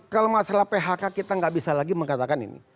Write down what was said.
kalau masalah phk kita nggak bisa lagi mengatakan ini